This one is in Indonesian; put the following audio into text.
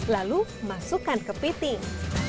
lalu masukkan kepiting